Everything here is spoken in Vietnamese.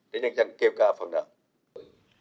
trình độ để có giải pháp cụ thể bố trí